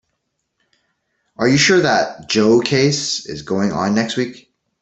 Are you sure that Joe case is going on next week?